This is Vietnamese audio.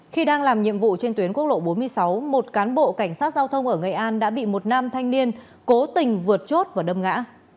khi đang làm nhiệm vụ trên tuyến quốc lộ bốn mươi sáu một cán bộ cảnh sát giao thông ở nghệ an đã bị một nam thanh niên cố tình vượt chốt và đâm ngã